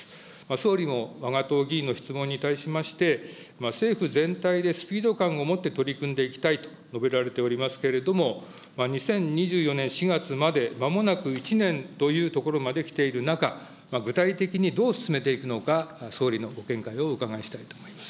総理もわが党議員の質問に対しまして、政府全体でスピード感を持って取り組んでいきたいと述べられておりますけれども、２０２４年４月まで、まもなく１年というところまできている中、具体的にどう進めていくのか、総理のご見解をお伺いしたいと思います。